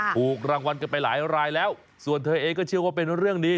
ถูกรางวัลกันไปหลายรายแล้วส่วนเธอเองก็เชื่อว่าเป็นเรื่องดี